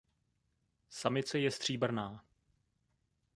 Samice je stříbrná.